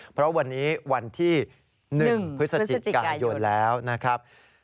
เพราะวันนี้วันที่๑พฤศจิกายนแล้วนะครับ